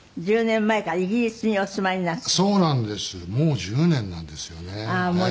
１０年前からイギリスにお住まいになったって。